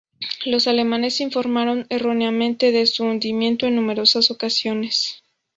Los alemanes informaron erróneamente de su hundimiento en numerosas ocasiones.